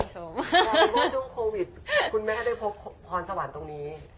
เพราะว่าช่วงโควิดคุณแม่ได้พบพรสวรรค์ตรงนี้